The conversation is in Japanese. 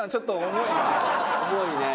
重いね。